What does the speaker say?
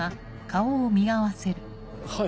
はい。